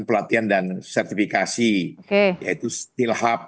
pelatihan dan sertifikasi yaitu still hub